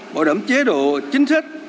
bảo đảm chế độ chính sách